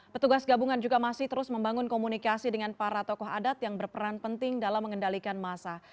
petugas gabungan juga masih terus membangun komunikasi dengan para tokoh adat yang berperan penting dalam mengendalikan masa